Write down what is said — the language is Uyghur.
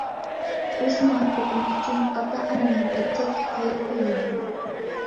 ئۆز مۇھەببىتىم ئۈچۈن، ئاتا-ئانامنى بىر چەتكە قايرىپ قويالمايمەن.